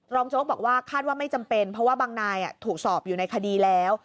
โจ๊กบอกว่าคาดว่าไม่จำเป็นเพราะว่าบางนายถูกสอบอยู่ในคดีแล้ว